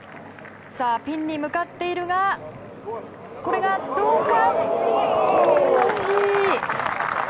ピンに向かっているがこれがどうか。